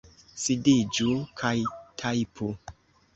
Sidiĝu kaj tajpu!